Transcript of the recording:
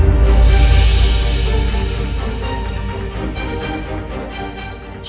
aku akan mencari kebenaran